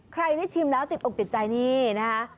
ใครได้ชิมแล้วติดอกติดใจนี่นะคะ